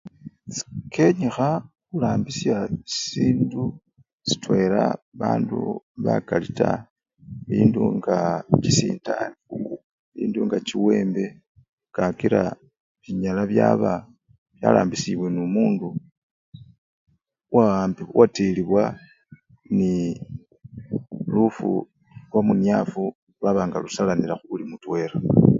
Sii kenyikha khurambisha sisindu sitwela bandu bakali taa, bindu nga chisindani bindu nga chiwembe kakila binyala byaba byarambishibwe nomundu owambi! watilibwa nii! lufu lwamunyafu lwaba nga lusalanila khubuli mutwela.